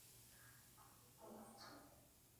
거의 다 왔어.